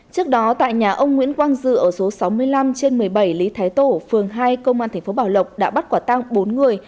trước đó tại nhà ông nguyễn quang dự ở số sáu mươi năm trên một mươi bảy lý thái tổ phường hai công an tp bảo lộc đã bắt quả tăng bốn người